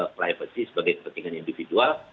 privacy sebagai kepentingan individual